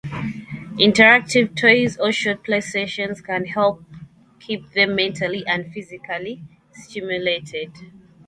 Interactive toys or short play sessions can help keep them mentally and physically stimulated.